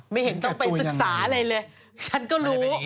ไม่เห็นต้องไปศึกษาอะไรเลยฉันก็รู้